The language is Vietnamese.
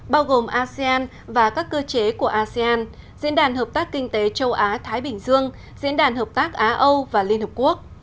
bao gồm asean và các cơ chế của asean diễn đàn hợp tác kinh tế châu á thái bình dương diễn đàn hợp tác á âu và liên hợp quốc